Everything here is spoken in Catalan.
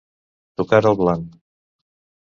Tocar al blanc.